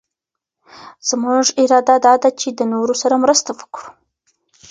زمونږ اراده دا ده چي د نورو سره مرسته وکړو.